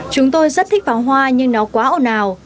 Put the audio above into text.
chúng tôi rất thích pháo hoa nhưng nó quá ồn ào